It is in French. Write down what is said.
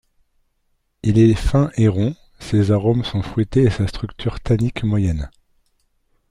Il est fin et rond, ses arômes sont fruités et sa structure tannique moyenne.